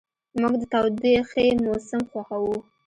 موږ د تودوخې موسم خوښوو.